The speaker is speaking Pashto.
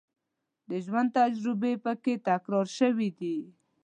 د ژوند تجربې په کې تکرار شوې دي.